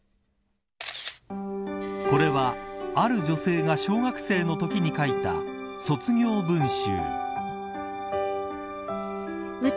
これはある女性が小学生の時に書いた卒業文集。